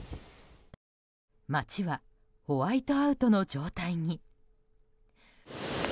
街はホワイトアウトの状態に。